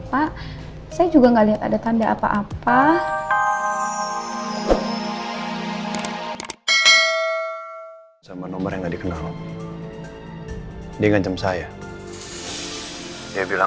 pak saya juga gak liat ada tanda apa apa